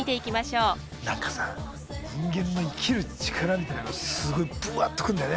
何かさ人間の生きる力みたいなのがすごいブワッと来んだよね。